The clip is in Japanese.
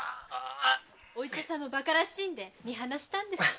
お医者もバカらしいんで見放したんです。